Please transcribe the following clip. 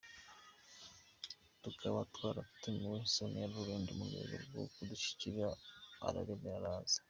Tukaba twaratumiye Sonia Rolland mu rwego rwo kudushyigikira aremera araza.